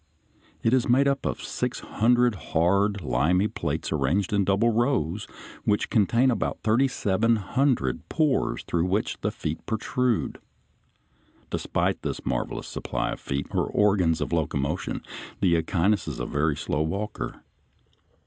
It is made up of about six hundred hard, limy plates arranged in double rows, which contain about thirty seven hundred pores through which the feet protrude. Despite this marvelous supply of feet, or organs of locomotion, the Echinus is a very slow walker.